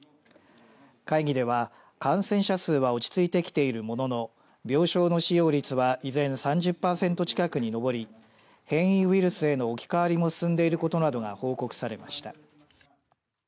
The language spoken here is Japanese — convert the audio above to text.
会議では感染者数は落ち着いてきているものの病床の使用率は依然３０パーセント近くに上り変異ウイルスへの置き換わりも進んでいることなどが報告されました。